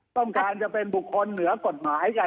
ต้องการจะเป็นบุคคลเหนือกฎหมายกัน